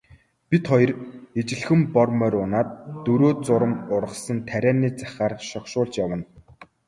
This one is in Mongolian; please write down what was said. Бид хоёр ижилхэн бор морь унаад дөрөө зурам ургасан тарианы захаар шогшуулж явна.